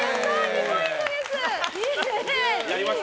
２ポイントです！